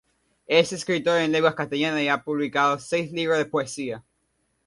Es escritor en lengua castellana y ha publicado seis libros de poesía.